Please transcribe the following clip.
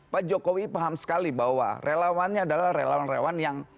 pak jokowi paham sekali bahwa relawannya adalah relawan relawan yang